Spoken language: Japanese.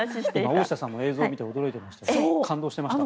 大下さんも映像見て驚いてましたけど感動してました。